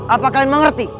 apa kalian mengerti